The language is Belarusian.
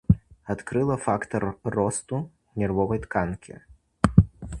Адкрыла фактар росту нервовай тканкі.